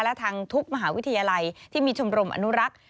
และทางทุกมหาวิทยาลัยที่มีชมรมอนุรักษ์